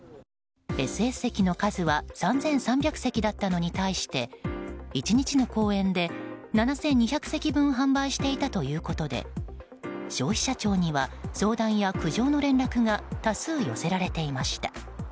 ＳＳ席の数は３３００席だったのに対して１日の公演で７２００席分販売していたということで消費者庁には相談や苦情の連絡が多数寄せられていました。